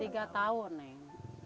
tiga tahun neng